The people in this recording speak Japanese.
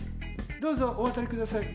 どうぞおわたりください。